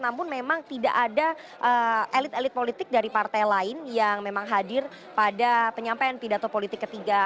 namun memang tidak ada elit elit politik dari partai lain yang memang hadir pada penyampaian pidato politik ketiga